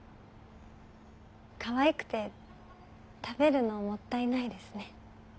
かわいくて食べるのもったいないですね。